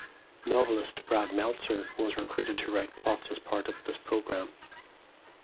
Novelist Brad Meltzer was recruited to write plots as part of this program.